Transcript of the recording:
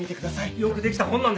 よくできた本なんです。